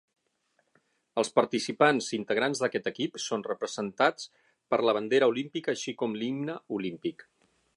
Els participants integrants d'aquest equip són representats per la bandera olímpica així com l'himne olímpic.